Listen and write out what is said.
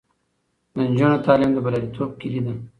د نجونو تعلیم د بریالیتوب کیلي ده.